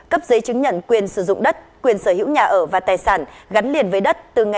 cấp giấy chứng nhận quyền sử dụng đất quyền sở hữu nhà ở và tài sản gắn liền với đất từ ngày